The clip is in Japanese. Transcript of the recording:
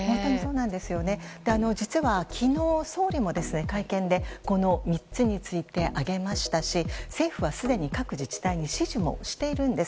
実は昨日総理も会見でこの３つについて挙げましたし政府はすでに各自治体に指示もしているんです。